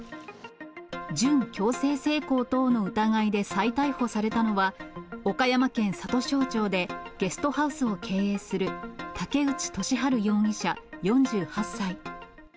準強制性交等の疑いで再逮捕されたのは、岡山県里庄町でゲストハウスを経営する武内俊晴容疑者４８歳。